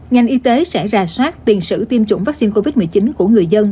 ngành y tế sẽ ra soát tiền sử tiêm chủng vaccine covid một mươi chín của người dân